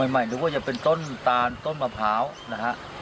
หมายนึกว่าจะเป็นต้นตาลต้นมะพร้าวนะฮะ